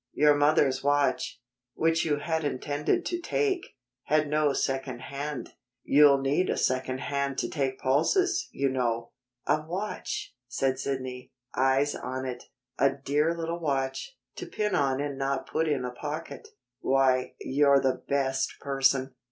Your mother's watch, which you had intended to take, had no second hand. You'll need a second hand to take pulses, you know." "A watch," said Sidney, eyes on it. "A dear little watch, to pin on and not put in a pocket. Why, you're the best person!"